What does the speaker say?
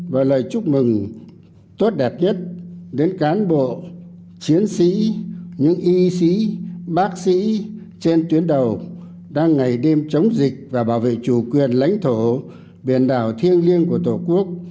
và lời chúc mừng tốt đẹp nhất đến cán bộ chiến sĩ những y sĩ bác sĩ trên tuyến đầu đang ngày đêm chống dịch và bảo vệ chủ quyền lãnh thổ biển đảo thiêng liêng của tổ quốc